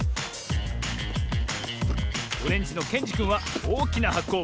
オレンジのけんじくんはおおきなはこをもってきたぞ。